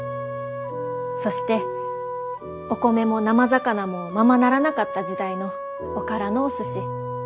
そしてお米も生魚もままならなかった時代のおからのお寿司。